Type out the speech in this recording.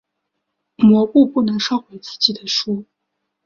魔物不能烧毁自己的书。